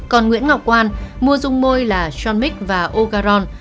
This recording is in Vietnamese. còn nguyễn ngọc quan mua dung môi là john mick và ocaron